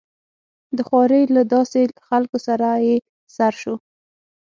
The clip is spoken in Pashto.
د خوارې له داسې خلکو سره يې سر شو.